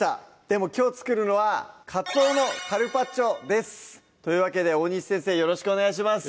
でもきょう作るのは「カツオのカルパッチョ」ですというわけで大西先生よろしくお願いします